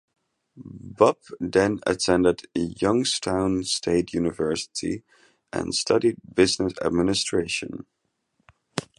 Bopp then attended Youngstown State University and studied business administration.